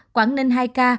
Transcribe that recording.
quảng ninh hai ca